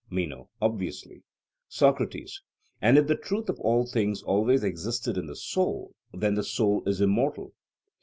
MENO: Obviously. SOCRATES: And if the truth of all things always existed in the soul, then the soul is immortal.